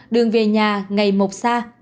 đường về nhà ngày một xa